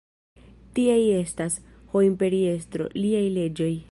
Tiaj estas, ho imperiestro, liaj leĝoj.